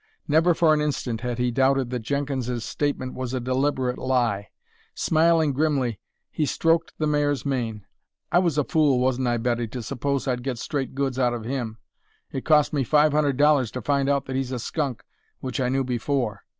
Never for an instant had he doubted that Jenkins's statement was a deliberate lie. Smiling grimly, he stroked the mare's mane. "I was a fool, wasn't I, Betty, to suppose I'd get straight goods out of him. It cost me five hundred dollars to find out that he's a skunk, which I knew before.